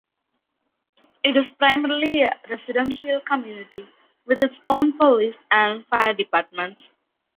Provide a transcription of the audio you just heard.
It is primarily a residential community with its own police and fire departments.